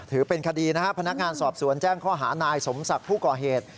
ถือเป็นคดีนะครับพนักงานสอบสวนแจ้งข้อหานายสมศักดิ์ผู้ก่อเหตุ